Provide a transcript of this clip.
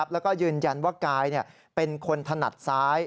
แล้วก็ยืนยันว่ากายเป็นคนถนัดซ้าย